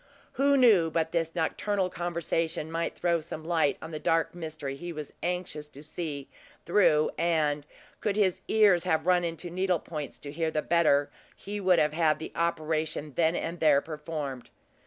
Who knew but this nocturnal conversation might throw some light on the dark mystery he was anxious to see through, and, could his ears have run into needle points to hear the better, he would have had the operation then and there performed.